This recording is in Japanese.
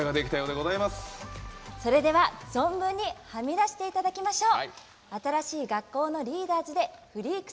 それでは存分にはみ出していただきましょう。